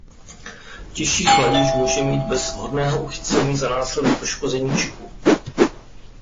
Těžší chladič může mít bez vhodného uchycení za následek poškození čipu.